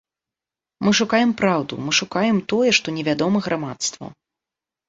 Мы шукаем праўду, мы шукаем тое, што невядома грамадству.